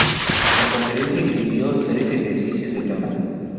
La conferencia incluyó tres ejercicios de campo.